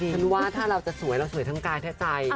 ฉันว่าถ้าเราจะสวยเราสวยทั้งกายแท้ใจ